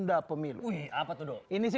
akhirnya jadi tau